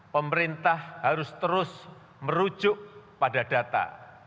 pemerintah harus terus merujuk pada data